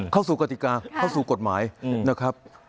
เข้าสู่กติกาเข้าสู่กฎหมายนะครับ